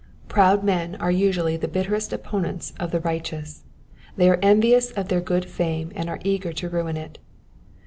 Proud men are usually the bitterest opponents of the righteous : they are envious of their good fame and are eager to ruin it.